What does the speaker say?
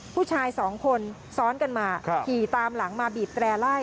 ผู้ชายสองคนซ้อนกันมาขี่ตามหลังมาบีบแตร่ไล่